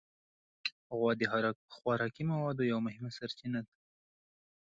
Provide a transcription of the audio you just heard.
غوا د خوراکي موادو یو مهمه سرچینه ده.